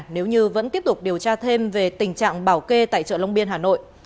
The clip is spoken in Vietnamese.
nếu như vẫn tiếp tục điều tra thêm về tình trạng bảo kê tại chợ long biên hà nội